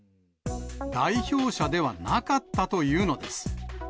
代表者ではなかったというのです。